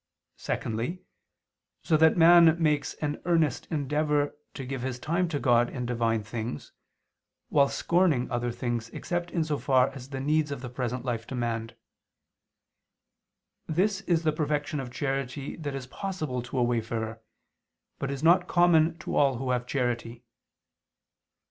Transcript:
Secondly, so that man makes an earnest endeavor to give his time to God and Divine things, while scorning other things except in so far as the needs of the present life demand. This is the perfection of charity that is possible to a wayfarer; but is not common to all who have charity.